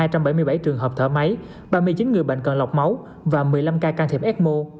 trong số một ba trăm bảy mươi bảy trường hợp thở máy ba mươi chín người bệnh cần lọc máu và một mươi năm ca can thiệp ecmo